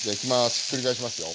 ひっくり返しますよ。